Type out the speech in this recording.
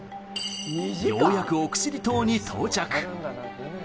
ようやく奥尻島に到着。